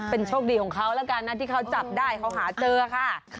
เป็นโชคดีของเขาแล้วกันนะที่เขาจับได้เขาหาเจอค่ะ